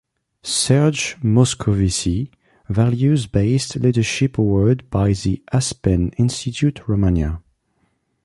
"Serge Moscovici" Values-Based Leadership Award by the Aspen Institute Romania.